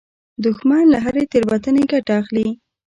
دښمن له هرې تېروتنې ګټه اخلي